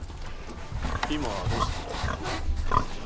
今はどうしてるんだ？